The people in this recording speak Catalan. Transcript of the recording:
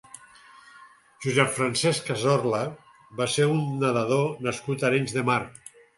Josep Francesch Cazorla va ser un nedador nascut a Arenys de Mar.